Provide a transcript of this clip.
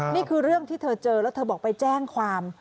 นี่คือเรื่องที่เธอเจอแล้วเธอบอกไปแจ้งความ